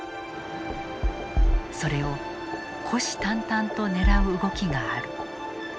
それを虎視眈々と狙う動きがある。